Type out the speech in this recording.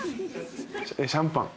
シャンパン？